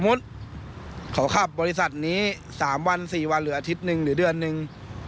เขาขับบริษัทนี้๓วัน๔วันเหลืออาทิตย์หนึ่งหรือเดือนหนึ่ง